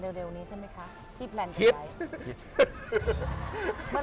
เดี๋ยวนี้ใช่ไหมคะที่แพลนกันไหม